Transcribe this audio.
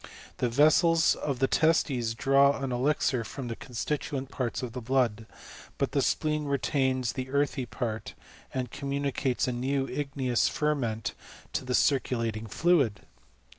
The vessels of the testes draw an elixir from the constituent parts of the blood ; but the spleen retains the earthy part, and communicates a new igneous ferment to the circulating fluid.